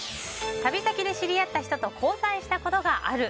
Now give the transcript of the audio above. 旅先で知り合った人と交際したことがある。